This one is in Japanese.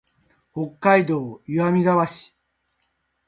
北海道岩見沢市